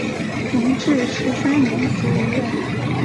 弘治十三年卒于任。